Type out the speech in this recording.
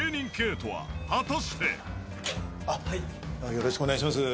よろしくお願いします。